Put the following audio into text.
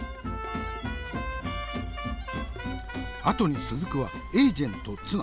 後に続くはエージェントツナ。